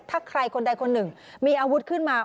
ถ้าใครคนใดคนหนึ่งมีอาวุธขึ้นมา